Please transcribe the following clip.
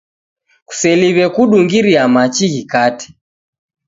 Kuseliwe kudungiria machi ghikate